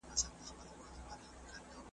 یکه زار سیوری د ولو ږغ راځي له کوهستانه .